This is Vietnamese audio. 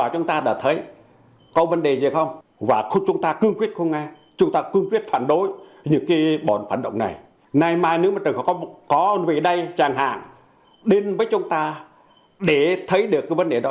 chẳng hạn đến với chúng ta để thấy được cái vấn đề đó